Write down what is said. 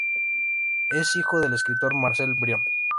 Es hijo del escritor Marcel Brion.